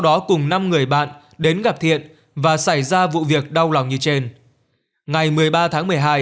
đó cùng năm người bạn đến gặp thiện và xảy ra vụ việc đau lòng như trên ngày một mươi ba tháng một mươi hai